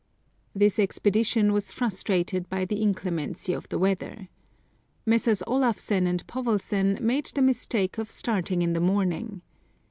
This expedition was frustrated by the inclemency of the weather. Messrs. Olafsen and Povelsen made the mistake of starting in the morning.